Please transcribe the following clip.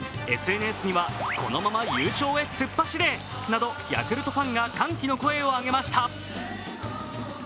ＳＮＳには、このまま優勝へ突っ走れなど、ヤクルトファンが歓喜の声を上げました。